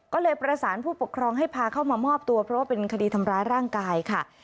ก็เลยประสานผู้ปกครองให้พาเข้ามามอบตัวเพราะว่าเป็นคดีทำร้ายร่างกายค่ะ